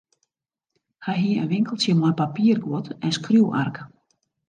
Hy hie in winkeltsje mei papierguod en skriuwark.